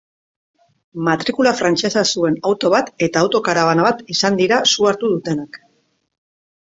Matrikula frantsesa zuen auto bat eta auto-karabana bat izan dira su hartu dutenak.